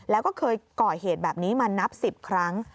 แล้วก็เคยก่อเหตุแบบนี้มานับ๑๐ครั้ง